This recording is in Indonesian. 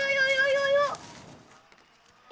yaudah yuk yuk yuk